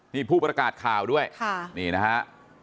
นี่ผู้ประกาศข่าวด้วยนี่นะฮะ